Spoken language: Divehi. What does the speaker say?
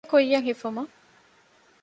ގެ ކުއްޔަށް ހިފުމަށް